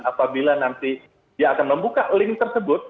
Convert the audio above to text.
apabila nanti dia akan membuka link tersebut